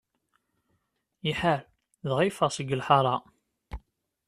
Iḥar, dɣa yeffeɣ seg lḥaṛa.